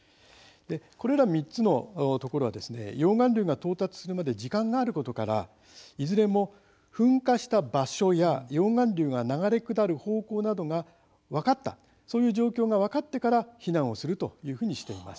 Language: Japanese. これら、３つのところは溶岩流が到達するまで時間があることから、いずれも噴火した場所や溶岩流が流れ下る方向などが分かってから避難をするとしています。